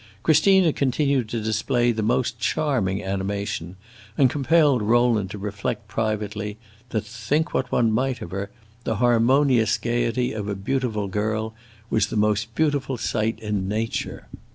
Christina continued to display the most charming animation, and compelled Rowland to reflect privately that, think what one might of her, the harmonious gayety of a beautiful girl was the most beautiful sight in nature.